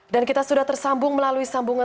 dan kita sudah tersambung melalui sambungan